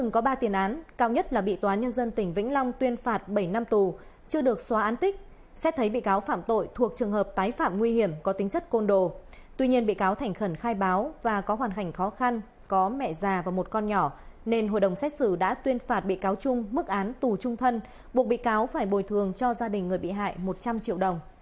các bạn hãy đăng ký kênh để ủng hộ kênh của chúng mình nhé